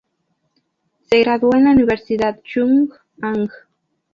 Se graduó de la Universidad Chung-Ang.